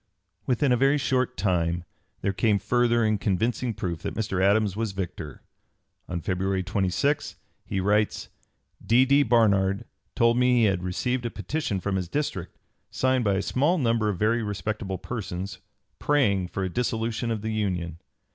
Within a very short time there came further and convincing proof that Mr. Adams was victor. On February 26 he writes: "D. D. Barnard told me he had received a petition from his District, signed by a small number of very respectable persons, praying for a dissolution of the Union.